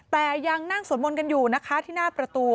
แต่ยังนั่งสวดมนต์กันอยู่นะคะที่หน้าประตู